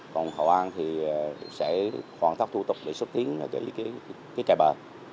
còn hậu an thì sẽ hoàn thất thu tục để xuất tiến cái trại bờ